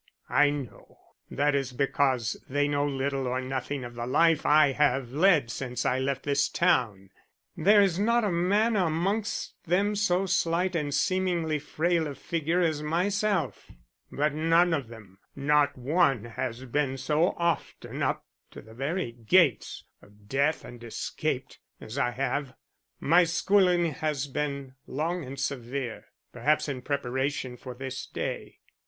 "I know. That is because they know little or nothing of the life I have led since I left this town. There is not a man amongst them so slight and seemingly frail of figure as myself, but none of them, not one, has been so often up to the very gates of death and escaped, as I have. My schooling has been long and severe, perhaps in preparation for this day.